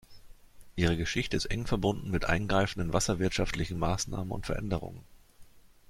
Ihre Geschichte ist eng verbunden mit eingreifenden wasserwirtschaftlichen Maßnahmen und Veränderungen.